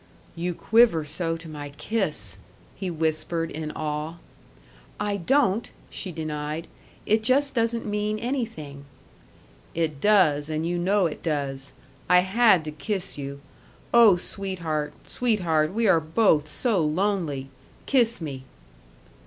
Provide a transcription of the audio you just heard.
"You quiver so to my kiss!" he whispered, in awe. "I don't!" she denied. "It just doesn't mean anything." "It does, and you know it does. I had to kiss you. Oh, sweetheart, sweetheart, we are both so lonely! Kiss me."